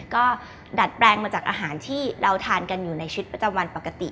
ก็ดัดแปลงมาจากอาหารที่เราทานกันอยู่ในชีวิตประจำวันปกติ